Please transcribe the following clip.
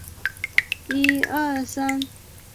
各国使用的乘法表有可能不太一样。